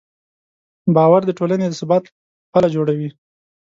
باور د ټولنې د ثبات پله جوړوي.